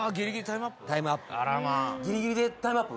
「ああギリギリタイムアップ？」